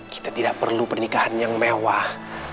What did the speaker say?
kita tidak perlu pernikahan yang mewah